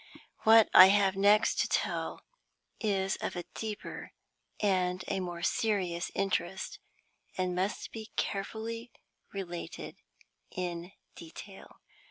What I have next to tell is of a deeper and a more serious interest, and must be carefully related in detail.